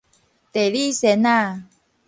地理仙仔